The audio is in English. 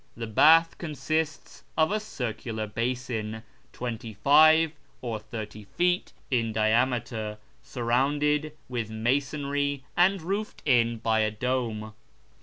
The bath consists of a circular basin, twenty five or thirty feet in diameter, surrounded with masonry and roofed in by a dome.